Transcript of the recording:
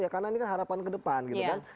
karena ini kan harapan ke depan gitu kan